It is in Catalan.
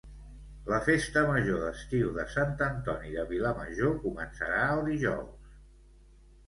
La Festa Major d'estiu de Sant Antoni de Vilamajor començarà el dijous